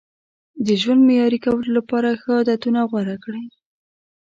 د ژوند معیاري کولو لپاره ښه عادتونه غوره کړئ.